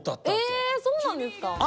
えそうなんですか。